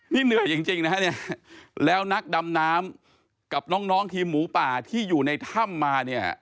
นี่เหนื่อยจริงนะฮะเนี่ยแล้วนักดำน้ำกับน้องทีมหมูป่าที่อยู่ในถ้ำมาเนี่ย